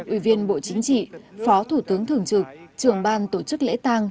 ủy viên bộ chính trị phó thủ tướng thường trực trưởng ban tổ chức lễ tăng